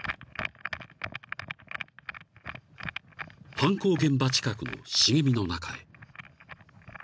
［犯行現場近くの茂みの中へ］